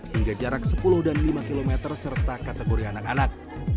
hingga jarak sepuluh dan lima km serta kategori anak anak